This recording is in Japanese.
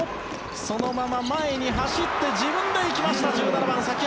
そのまま前に走って自分で行きました１７番、崎濱。